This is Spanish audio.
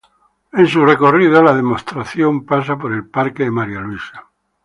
En su recorrido la procesión pasa por el parque de María Luisa.